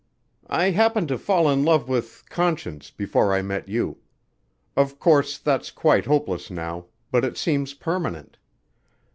"I happened to fall in love with Conscience before I met you. Of course, that's quite hopeless now ... but it seems permanent."